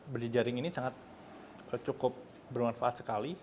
berjejaring ini cukup bermanfaat sekali